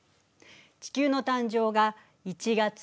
地球の誕生が１月１日。